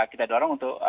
kita dorong untuk